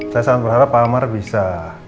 saya sangat berharap pak amar bisa